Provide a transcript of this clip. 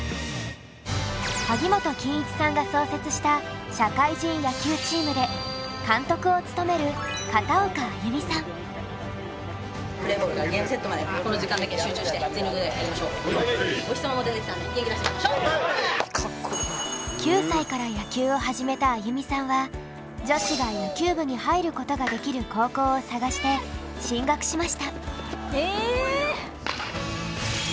萩本欽一さんが創設した社会人野球チームで監督を務めるお日さまも出てきたので９歳から野球を始めた安祐美さんは女子が野球部に入ることができる高校を探して進学しました。